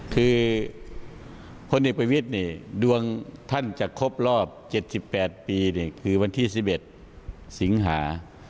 คือพลเอกประวิทย์เนี่ยดวงท่านจะครบรอบ๗๘ปีคือวันที่๑๑สิงหา